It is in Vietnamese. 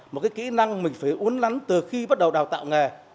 một cái kỹ năng mình phải uốn lắn từ khi bắt đầu đào tạo nghề